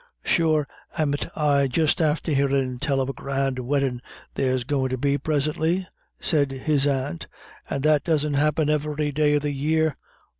"Sure amn't I just after hearin' tell of a grand weddin' there's goin' to be prisintly?" said his aunt, "and that doesn't happen every day of the year."